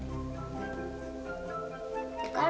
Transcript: iya mas sebentar